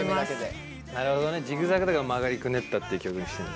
なるほどねジグザグだから曲がりくねったって曲にしてんだ。